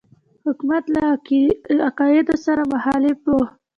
حکومت له عقایدو سره مخالف وو.